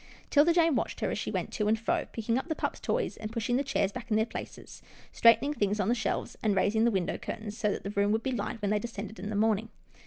'Tilda Jane watched her as she went to and fro, picking up the pup's toys, and pushing the chairs back in their places, straightening things on the shelves, and raising the window curtains, so that the room would be light when they descended in the morning.